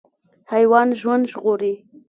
حیوان ژوند ژغوري.